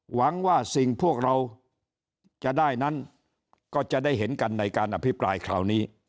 หวังว่าสิ่งพวกเราจะได้นั้นก็จะได้เห็นกันในการอภิปรายคราวนี้